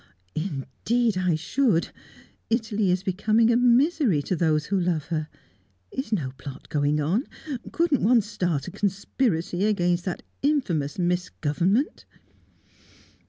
"Indeed I should! Italy is becoming a misery to those who love her. Is no plot going on? Couldn't one start a conspiracy against that infamous misgovernment?"